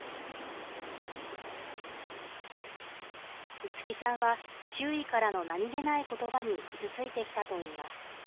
樹さんは、周囲からの何気ないことばに傷ついてきたといいます。